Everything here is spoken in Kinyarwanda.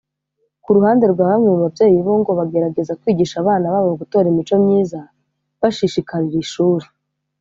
Ku ruhande rwa bamwe mu babyeyi bo ngo bagerageza kwigisha abana babo gutora imico myiza bashishikarira ishuri